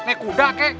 naik kuda kek